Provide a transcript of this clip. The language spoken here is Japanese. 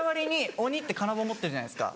鬼って金棒持ってるじゃないですか。